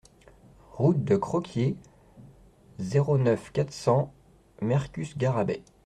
Route de Croquié, zéro neuf, quatre cents Mercus-Garrabet